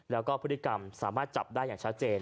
แล้วก็พฤติกรรมสามารถจับได้อย่างชัดเจน